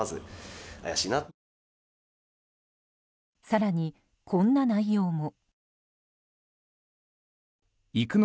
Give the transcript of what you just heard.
更に、こんな内容も。